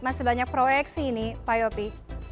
masih banyak proyeksi ini pak yopi